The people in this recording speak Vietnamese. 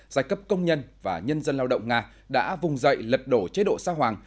giai cấp công nhân và nhân dân lao động nga đã vùng dậy lật đổ chế độ xa hoàng